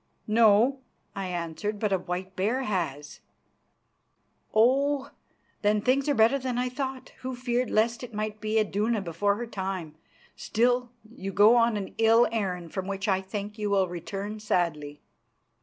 "No," I answered, "but a white bear has." "Oh! then things are better than I thought, who feared lest it might be Iduna before her time. Still, you go on an ill errand, from which I think you will return sadly."